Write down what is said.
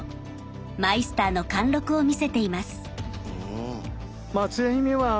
マイスターの貫禄を見せています。